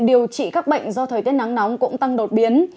điều trị các bệnh do thời tiết nắng nóng cũng tăng đột biến